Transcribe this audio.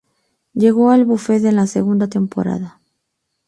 Llegó al bufete en la segunda temporada.